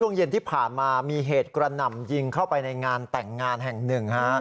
ช่วงเย็นที่ผ่านมามีเหตุกระหน่ำยิงเข้าไปในงานแต่งงานแห่งหนึ่งฮะ